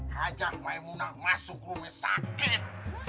hajak maimunah masuk rumah sakit